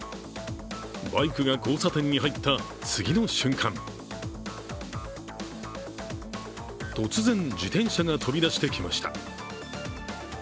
バイクが交差点に入った次の瞬間、突然、自転車が飛び出してきました